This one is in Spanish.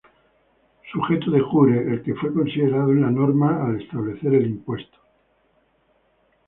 Sujeto de jure: el que fue considerado en la norma al establecer el impuesto.